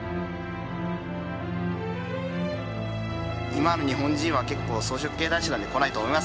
今の日本人は草食系男子なので来ないと思いますけど。